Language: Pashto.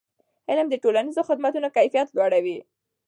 علم د ټولنیزو خدمتونو کیفیت لوړوي.